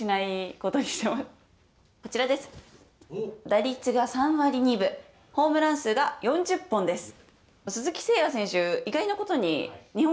打率が３割２分、ホームラン数が４０本です。